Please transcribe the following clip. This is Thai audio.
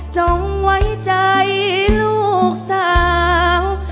จงไว้ใจลูกสาว